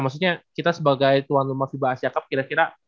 maksudnya kita sebagai tuan rumah fiba asia cup kira kira